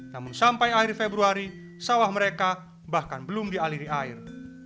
namun sampai akhir februari sawah mereka bahkan belum dialiri air